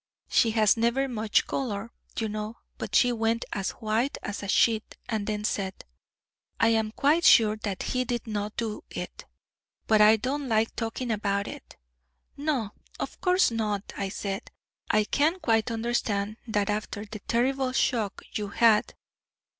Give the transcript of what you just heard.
She has never much colour, you know, but she went as white as a sheet, and then said, 'I am quite sure that he did not do it, but I don't like talking about it.' 'No, of course not,' I said. 'I can quite understand that after the terrible shock you had.